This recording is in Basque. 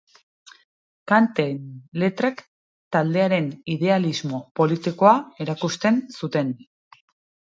Kanten letrek taldearen idealismo politikoa erakusten zuten.